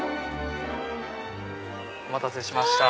お待たせしました。